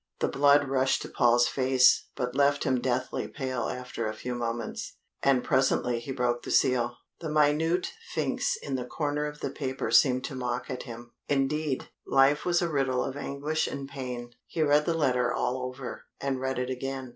The blood rushed to Paul's face, but left him deathly pale after a few moments. And presently he broke the seal. The minute Sphinx in the corner of the paper seemed to mock at him. Indeed, life was a riddle of anguish and pain. He read the letter all over and read it again.